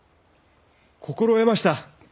心得ました！